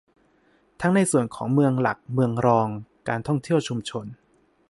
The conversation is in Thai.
ทั้งในส่วนของเมืองหลัก เมืองรอง การท่องเที่ยวชุมชน